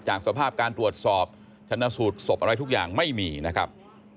สภาพการตรวจสอบชนะสูตรศพอะไรทุกอย่างไม่มีนะครับ